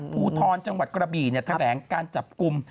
ภูทรจังหวัดกระบี่เนี่ยแทรกการจับกุม